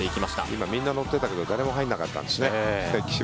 今、みんな乗っていたけど誰も入らなかったんですね。